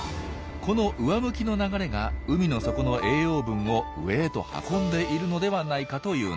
この上向きの流れが海の底の栄養分を上へと運んでいるのではないかというんです。